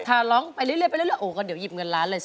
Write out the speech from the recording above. ร้องไปเรื่อยโอ้ก็เดี๋ยวหยิบเงินล้านเลยสิ